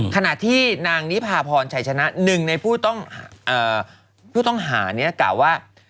ขณะที่นางนิพาพรชัยชนะหนึ่งในผู้ต้องหานี้กล่าวว่า